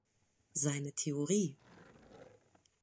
Seine Theorie.